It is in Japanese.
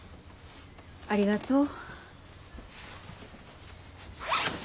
ありがとう。